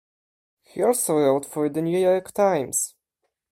He also wrote for "The New York Times".